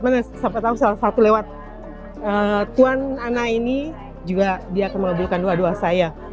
mana sampai tahu salah satu lewat tuan ana ini juga dia akan mengabulkan doa doa saya